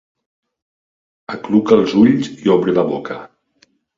Acluca els ulls i obre la boca.